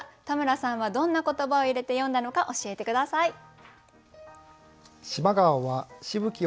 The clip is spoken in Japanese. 田村さんはどんな言葉を入れて詠んだのか教えて下さい。